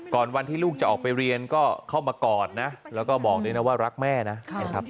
วันที่ลูกจะออกไปเรียนก็เข้ามากอดนะแล้วก็บอกด้วยนะว่ารักแม่นะครับ